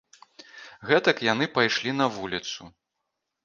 Гэтак яны пайшлі на вуліцу.